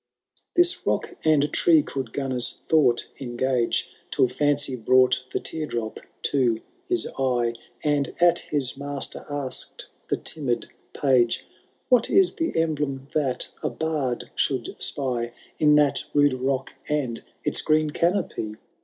This rock and tree could Gunnar^s thought engage Till Fancy brought the tear drop to his eye. And at his master ask^d the timid Page, What is the emblem that a bard should spy In that rude rock and its green canopy